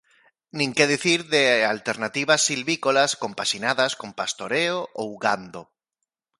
Nin que dicir de alternativas silvícolas compaxinadas con pastoreo ou gando.